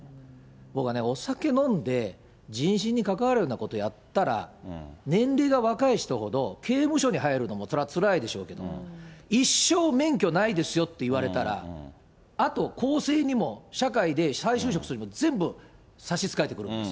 僕はね、お酒飲んで人身に関わるようなことやったら、年齢が若い人ほど刑務所に入るのもつらいでしょうけれども、一生、免許ないですよって言われたら、あと更生にも社会で再就職するのも全部、差し支えてくるんです。